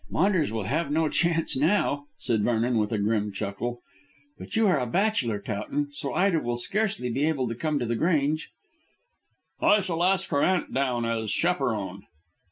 "Maunders will have no chance now," said Vernon with a grim chuckle. "But you are a bachelor, Towton, so Ida will scarcely be able to come to The Grange." "I shall ask her aunt down as chaperon."